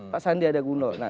pak sandi ada guna